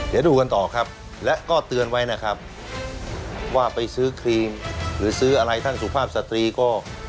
เดี๋ยวดูกันต่อครับและก็เตือนไว้นะครับว่าไปซื้อครีมหรือซื้ออะไรท่านสุภาพสตรีก็